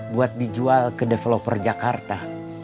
buat dijual ke developer jakarta